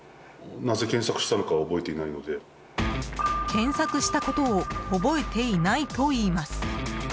検索したことを覚えていないといいます。